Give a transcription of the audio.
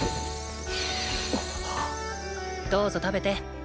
どうぞ食べて。